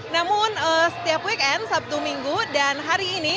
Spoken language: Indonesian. namun setiap weekend sabtu minggu dan hari ini